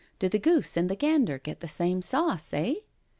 Do the goose and tne gander get the same sauce, eh?